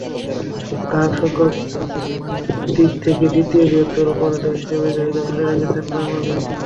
গ্রাহকসংখ্যার দিক থেকে দ্বিতীয় বৃহত্তম অপারেটর হিসেবে জায়গা ধরে রেখেছে বাংলালিংক।